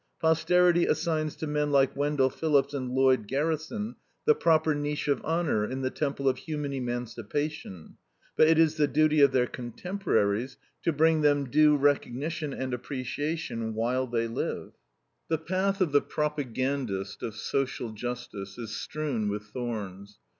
Posterity assigns to men like Wendel Phillips and Lloyd Garrison the proper niche of honor in the temple of human emancipation; but it is the duty of their contemporaries to bring them due recognition and appreciation while they live. The path of the propagandist of social justice is strewn with thorns.